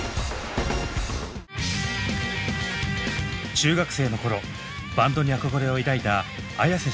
中学生の頃バンドに憧れを抱いたＡｙａｓｅ